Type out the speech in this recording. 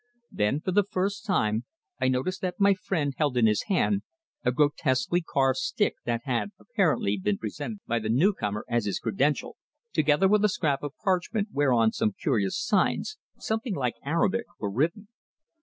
Then, for the first time, I noticed that my friend held in his hand a grotesquely carved stick that had apparently been presented by the new comer as his credential, together with a scrap of parchment whereon some curious signs, something like Arabic, were written.